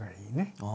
ああ